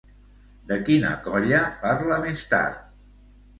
De quina colla parla més tard?